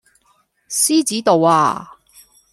獅子度呀